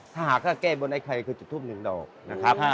ถ้าหากว่าแก้บนไอ้ไข่คือจุดทูปหนึ่งดอกนะครับ